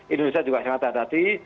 indonesia juga sangat hati hati